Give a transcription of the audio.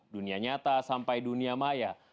dunia nyata sampai dunia maya